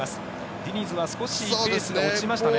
ディニズは少しペースが落ちましたね。